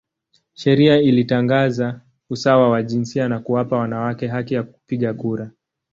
Sheria ilitangaza usawa wa jinsia na kuwapa wanawake haki ya kupiga kura.